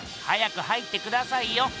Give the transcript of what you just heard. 早く入ってくださいよ！